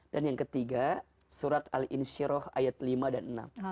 dan yang ketiga surat al inshiroh ayat lima dan enam